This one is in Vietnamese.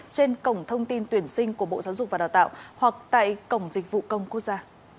trên cổng thông tin tuyển sinh của bộ giáo dục và đào tạo hoặc tại cổng dịch vụ công quốc gia